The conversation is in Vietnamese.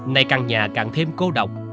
này càng nhà càng thêm cô độc